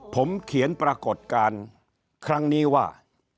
ผมเขียนปรากฏการณ์ครั้งนี้ว่า